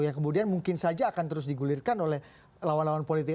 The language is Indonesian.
yang kemudian mungkin saja akan terus digulirkan oleh lawan lawan politik